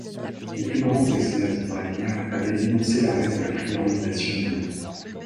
Les plus grands experts israéliens avaient dénoncé l'arrêt de la fluorisation de l'eau.